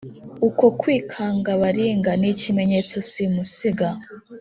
Uko kwikanga baringa, Ni ikimenyetso simusiga,